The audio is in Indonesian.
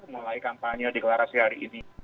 mulai kampanye deklarasi hari ini